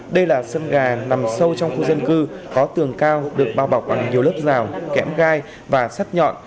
đây là sân gà nằm sâu trong khu dân cư có tường cao được bao bọc bằng nhiều lớp rào kẽm gai và sắt nhọn